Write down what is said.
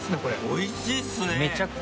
おいしいですね！